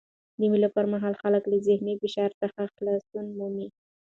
د مېلو پر مهال خلک له ذهني فشار څخه خلاصون مومي.